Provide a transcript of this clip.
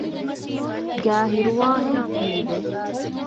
ގައި ހިރުވާހެން ހީވެ